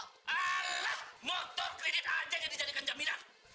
ah motor kredit aja yang dijadikan jaminan